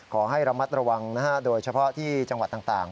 ขอให้ระมัดระวังนะฮะโดยเฉพาะที่จังหวัดต่าง